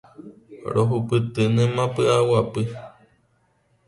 Rohupytýnema pyʼaguapy.